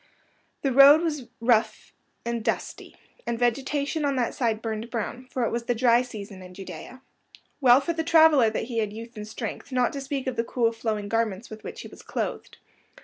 The road was rough and dusty, and vegetation on that side burned brown, for it was the dry season in Judea. Well for the traveller that he had youth and strength, not to speak of the cool, flowing garments with which he was clothed.